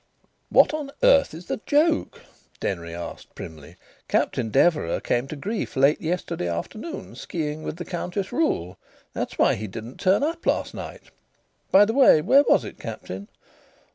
"What on earth is the joke?" Denry asked primly. "Captain Deverax came to grief late yesterday afternoon, ski ing with the Countess Ruhl. That's why he didn't turn up last night. By the way, where was it, Captain?"